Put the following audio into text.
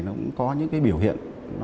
nó cũng có những cái biểu hiện